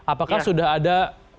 apakah sudah ada